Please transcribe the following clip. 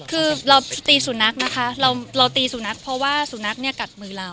คือเราตีสุนัขนะคะเราตีสุนัขเพราะว่าสุนัขเนี่ยกัดมือเรา